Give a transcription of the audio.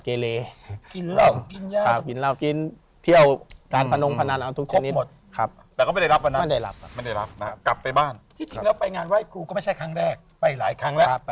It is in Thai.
เชิญกุมารกันลงเชิญอะไรก็ลงครับ